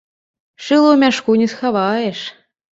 Шыла ў мяшку не схаваеш.